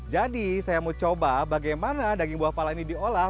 jadi saya mau coba bagaimana daging buah pala ini diolah